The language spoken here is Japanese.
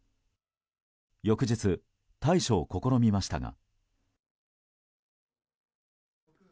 翌日、対処を試みましたが。